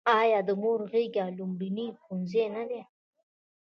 آیا د مور غیږه لومړنی ښوونځی نه دی؟